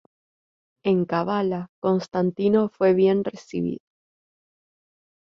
En Kavala, Constantino fue bien recibido.